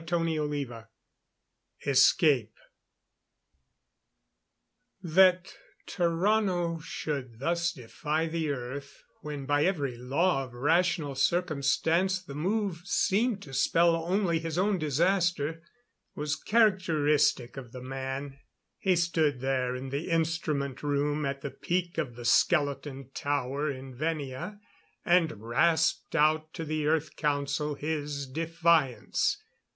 CHAPTER XV Escape That Tarrano should thus defy the Earth, when by every law of rational circumstance the move seemed to spell only his own disaster, was characteristic of the man. He stood there in the instrument room at the peak of the skeleton tower in Venia and rasped out to the Earth Council his defiance.